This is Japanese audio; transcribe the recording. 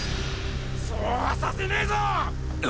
そうはさせねぇぞ！